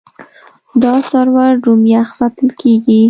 دا سرور روم یخ ساتل کېږي.